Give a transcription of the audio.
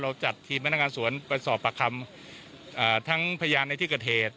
จัดทีมพนักงานสวนไปสอบประคำทั้งพยานในที่เกิดเหตุ